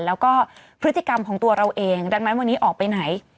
แล้วก็พฤติกรรมของตัวเราเองดังนั้นวันนี้ออกไปไหน